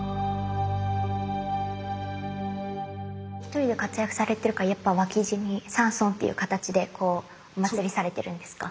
１人で活躍されてるからやっぱ脇侍に三尊っていう形でおまつりされてるんですか？